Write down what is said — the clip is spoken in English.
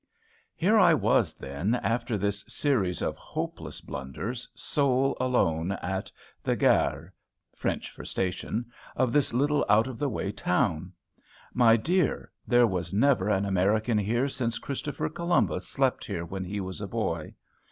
Here I was, then, after this series of hopeless blunders, sole alone at the gare [French for station] of this little out of the way town. My dear, there was never an American here since Christopher Columbus slept here when he was a boy.